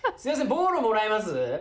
ボーロもらえます？